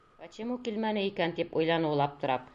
«Почему килмәне икән?» тип уйланы ул, аптырап.